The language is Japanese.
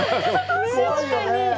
怖いよね。